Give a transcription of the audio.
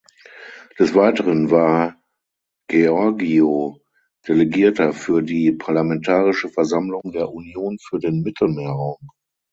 Des Weiteren war Georgiou Delegierter für die Parlamentarische Versammlung der Union für den Mittelmeerraum.